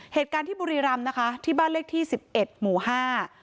เหตุการณ์ที่บุรีรำนะคะที่บ้านเลขที่สิบเอ็ดหมู่ห้า